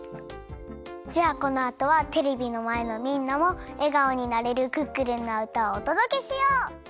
じゃあこのあとはテレビのまえのみんなもえがおになれるクックルンのうたをおとどけしよう！